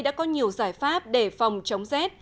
đã có nhiều giải pháp để phòng chống rét